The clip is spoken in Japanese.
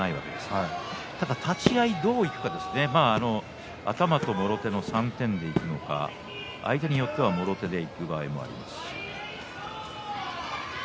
立ち合いどうするか頭ともろ手の３点でいくのか相手によってはもろ手でいく場合もあります。